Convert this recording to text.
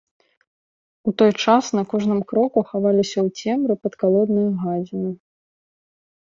У той час на кожным кроку хаваліся ў цемры падкалодныя гадзіны.